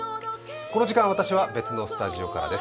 この時間、私は別のスタジオからです。